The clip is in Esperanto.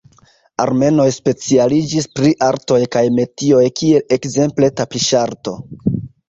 Armenoj specialiĝis pri artoj kaj metioj kiel ekzemple tapiŝarto.